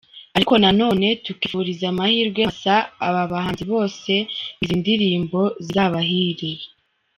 Ariko nanone tukifuriza amahirwe masa aba bahanzi bose ngo izi ndirimbo zizabahire.